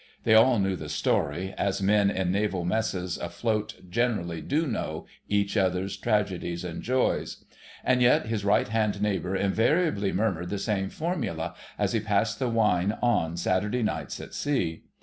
They all knew the story, as men in Naval Messes afloat generally do know each other's tragedies and joys. And yet his right hand neighbour invariably murmured the same formula as he passed the wine on Saturday nights at sea.